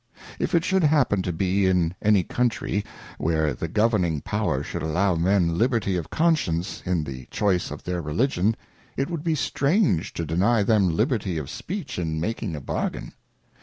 If it should happen to be in any Country where the governing power should allow men Liberty of Conscience in the choice of their Religion, it would be strange to deny them liberty of speech in making a bargain.